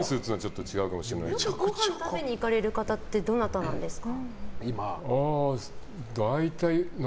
ごはんを食べに行かれる方ってどなたなんですか？